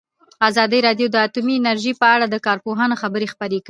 ازادي راډیو د اټومي انرژي په اړه د کارپوهانو خبرې خپرې کړي.